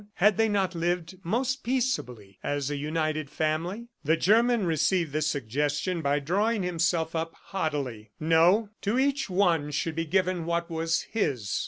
... Had they not lived most peaceably as a united family? ... The German received this suggestion by drawing himself up haughtily. No; to each one should be given what was his.